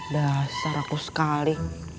dasar aku sekali